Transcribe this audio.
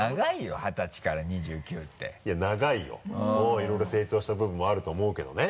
いろいろ成長した部分もあると思うけどね。